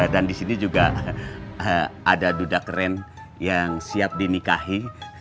dan disini juga ada duda keren yang siap dinikahi